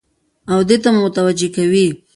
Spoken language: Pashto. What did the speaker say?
او دې ته مو متوجه کوي